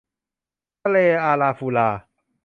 ทะเลอาราฟูรา